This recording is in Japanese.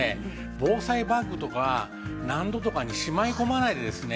防災バッグとか納戸とかにしまい込まないでですね